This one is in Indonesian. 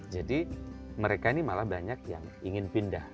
mereka ini malah banyak yang ingin pindah